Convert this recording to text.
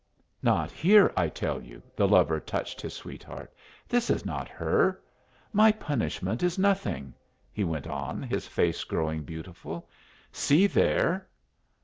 "Not here, I tell you." The lover touched his sweetheart. "This is not her. My punishment is nothing," he went on, his face growing beautiful. "See there!"